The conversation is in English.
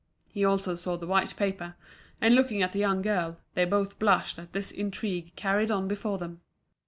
He also saw the white paper; and looking at the young girl, they both blushed at this intrigue carried on before them.